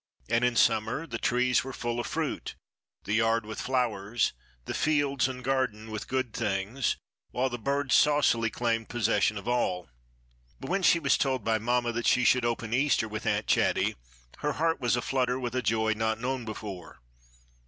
And in summer the trees were full of fruit, the yard with flowers, the fields and garden with good things, while the birds saucily claimed possession of all. But when she was told by Mamma that she should open Easter with Aunt Chatty her heart was a flutter with a joy not known before.